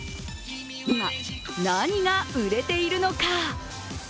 今、何が売れているのか？